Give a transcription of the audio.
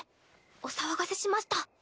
お騒がせしました。